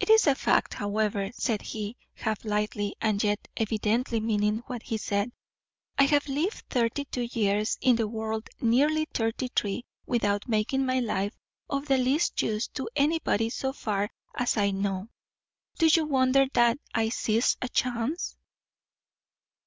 "It is a fact, however," said he, half lightly, and yet evidently meaning what he said. "I have lived thirty two years in the world nearly thirty three without making my life of the least use to anybody so far as I know. Do you wonder that I seize a chance?"